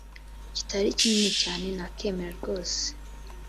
kitari kinini cyane nakemera rwose